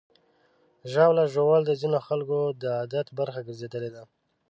ژاوله ژوول د ځینو خلکو د عادت برخه ګرځېدلې ده.